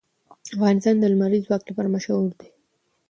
افغانستان د لمریز ځواک لپاره مشهور دی.